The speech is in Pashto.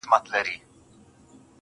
پام چي د غزل لېمه دې تور نه سي